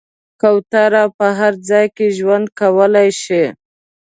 کوتره په هر ځای کې ژوند کولی شي.